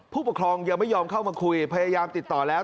ผู้ปกครองยังไม่ยอมเข้ามาคุยพยายามติดต่อแล้ว